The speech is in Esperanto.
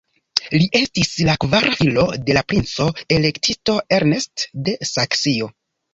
Li estis la kvara filo de la princo-elektisto Ernst de Saksio.